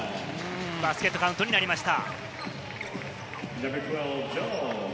バスケットカウントになりました。